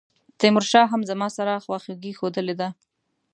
تیمورشاه هم زما سره خواخوږي ښودلې ده.